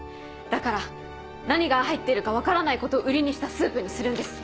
だから何が入っているか分からないことを売りにしたスープにするんです。